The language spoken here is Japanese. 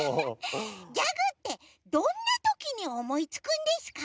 ギャグってどんなときにおもいつくんですか？